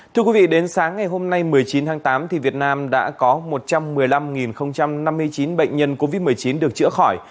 thưa quý vị đến sáng ngày hôm nay một mươi chín tháng tám việt nam đã có một trăm một mươi năm năm mươi chín bệnh nhân covid một mươi chín được chữa khỏi